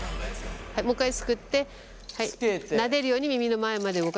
はいもう一回すくってなでるように耳の前まで動かしていく。